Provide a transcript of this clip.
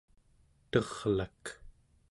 terlak